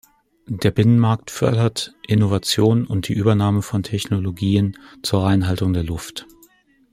Der Binnenmarkt fördert Innovation und die Übernahme von Technologien zur Reinhaltung der Luft.